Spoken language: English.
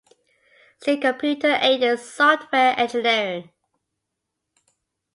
See computer-aided software engineering.